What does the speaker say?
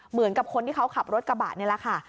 เหมือนกับคนที่เขาขับรถกระบะนี่แหละค่ะ